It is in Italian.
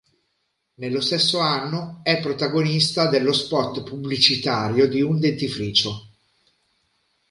Nello stesso anno è protagonista dello spot pubblicitario di un dentifricio.